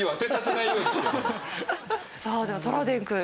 さあではトラウデンくん